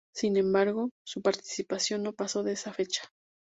Sin embargo, su participación no pasó de esa fecha.